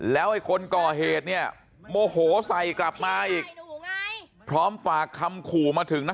แล้วไอ้คนก่อเหตุเนี่ยโมโหใส่กลับมาอีกพร้อมฝากคำขู่มาถึงนะ